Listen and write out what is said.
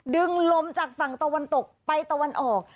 ดึงลมจากฝั่งตะวันตกไปตะวันออก